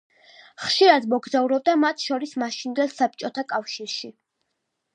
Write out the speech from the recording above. ხშირად მოგზაურობდა, მათ შორის, მაშინდელ საბჭოთა კავშირში.